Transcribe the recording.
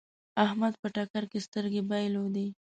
احمد په ټکر کې سترګې بايلودې.